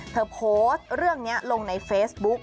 เธอโพสต์เรื่องนี้ลงในเฟซบุ๊ก